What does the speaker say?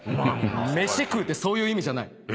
飯食うってそういう意味じゃない。